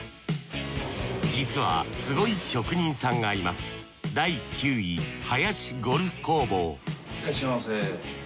実はすごい職人さんがいますいらっしゃいませ。